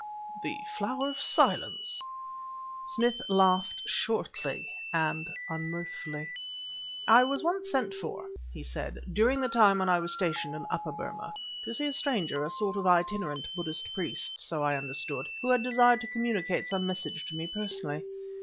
"The Flower of Silence?" Smith laughed shortly and unmirthfully. "I was once sent for," he said, "during the time that I was stationed in Upper Burma, to see a stranger a sort of itinerant Buddhist priest, so I understood, who had desired to communicate some message to me personally.